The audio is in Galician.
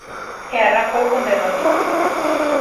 E arrancou con derrota.